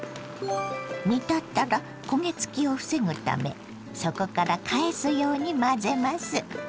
煮立ったら焦げつきを防ぐため底から返すように混ぜます。